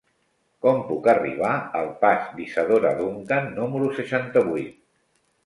Com puc arribar al pas d'Isadora Duncan número seixanta-vuit?